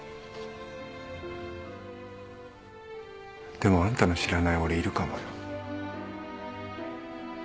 でもあんたの知らない俺いるかもよ。